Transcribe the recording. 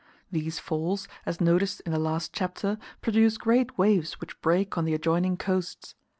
These falls, as noticed in the last chapter, produce great waves which break on the adjoining coasts.